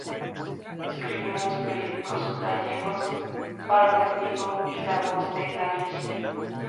Escribió en los periódicos gallegos "Faro de Vigo" y "La Voz de Galicia".